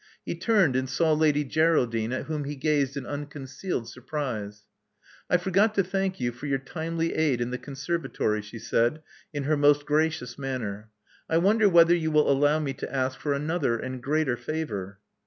He turned and saw Lady Geraldine, at whom he gazed in unconcealed surprise. I forgot to thank you for your timely aid in the conservatory," she said, in her most gracious manner. I wonder whether you will allow me to ask for another and greater favor."